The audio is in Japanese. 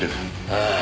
ああ。